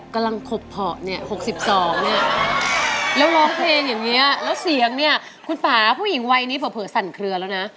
คุณฝ่าผู้หญิงวัยนี้เผื่อสั่นเครือแล้วนะ